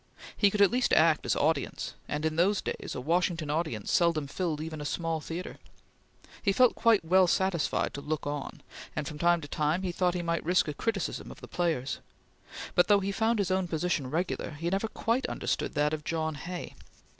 He could at least act as audience, and, in those days, a Washington audience seldom filled even a small theatre. He felt quite well satisfied to look on, and from time to time he thought he might risk a criticism of the players; but though he found his own position regular, he never quite understood that of John Hay.